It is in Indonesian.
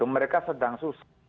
mereka sedang susah